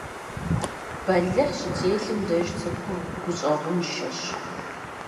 Бэлыхь щытелъым деж цӀыхур гущӀэгъуншэщ.